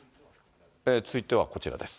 続いてはこちらです。